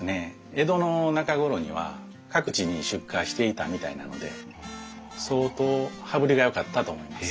江戸の中頃には各地に出荷していたみたいなので相当羽振りがよかったと思います。